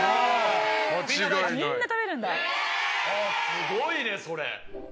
すごいねそれ。